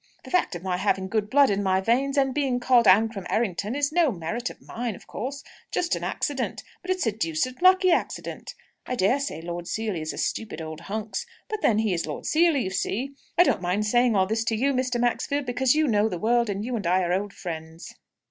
The fact of my having good blood in my veins, and being called Ancram Errington, is no merit of mine, of course just an accident; but it's a deuced lucky accident. I daresay Lord Seely is a stupid old hunks, but then he is Lord Seely, you see. I don't mind saying all this to you, Mr. Maxfield, because you know the world, and you and I are old friends."